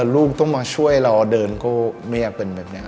ลูกต้องมาช่วยเราเดินก็ไม่อยากเป็นแบบนี้